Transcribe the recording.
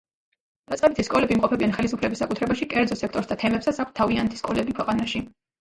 დაწყებითი სკოლები იმყოფებიან ხელისუფლების საკუთრებაში, კერძო სექტორს და თემებსაც აქვთ თავიანთი სკოლები ქვეყანაში.